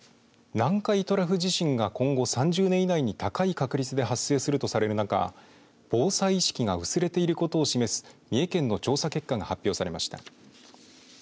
南海トラフ地震が今後３０年以内に高い確率で発生するとされる中防災意識が薄れていることを示す三重県の調査結果が発表されました。